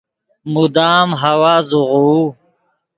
مدام ہوا زوغوؤ